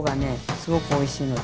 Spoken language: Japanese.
すごくおいしいので。